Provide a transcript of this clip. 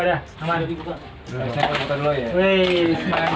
udah dihutang dulu ya